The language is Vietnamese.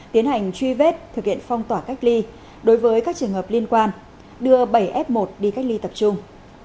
tiến hành truy vết thực hiện phong tỏa cách ly đối với các trường hợp liên quan đưa bảy f một đi cách ly tập trung